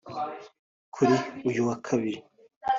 Kuri uyu wa Kabiri